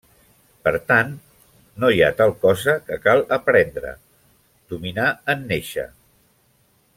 Per tant, no hi ha tal cosa que cal aprendre, dominar en néixer.